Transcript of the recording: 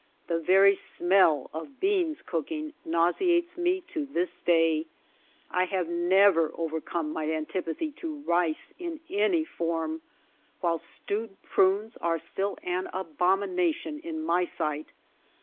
The very smell of beans cooking nauseates me to this day. 1 have never overcome my antipathy to rice in any form, while stewed prunes are still an abomination in my sight.